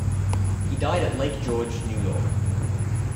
He died at Lake George, New York.